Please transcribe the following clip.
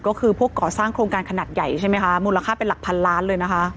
ก็คือพวกก่อสร้างโครงการขนาดใหญ่ใช่ไหมคะมูลค่าเป็นหลักพันล้านเลยนะคะ